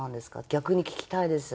逆に聞きたいです。